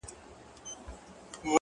• ټوله ته وای ټوله ته وای,